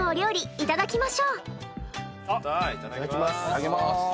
いただきます。